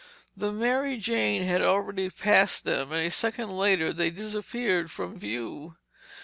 The Mary Jane had already passed them and a second later they disappeared from view.